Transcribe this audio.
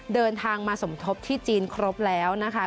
เดินทางมาสมทบที่จีนครบแล้วนะคะ